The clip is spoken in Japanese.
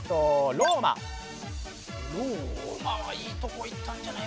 ローマはいいとこいったんじゃない？